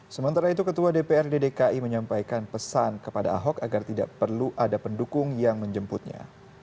sementara itu ketua dprd dki menyampaikan pesan kepada ahok agar tidak perlu ada pendukung yang menjemputnya